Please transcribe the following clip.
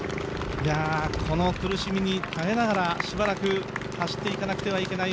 この苦しみに耐えながらしばらく走っていかなければならない小椋。